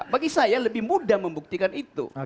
bagi saya lebih mudah membuktikan itu